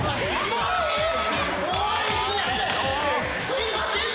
すいません。